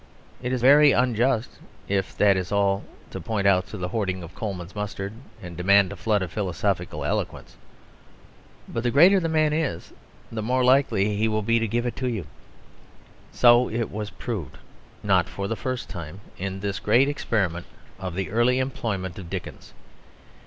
It is very unjust (if that is all) to point to a hoarding of Colman's mustard and demand a flood of philosophical eloquence; but the greater the man is the more likely he will be to give it to you. So it was proved, not for the first time, in this great experiment of the early employment of Dickens.